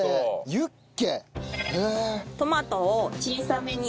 ユッケ。